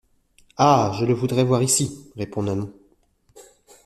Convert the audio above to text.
Ah! je le voudrais voir ici, répondit Nanon.